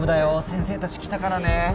先生たち来たからね。